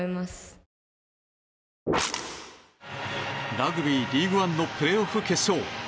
ラグビー・リーグワンのプレーオフ決勝。